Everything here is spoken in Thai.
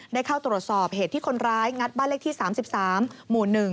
ได้เข้าตรวจสอบเหตุที่คนร้ายงัดบ้านเลขที่๓๓หมู่๑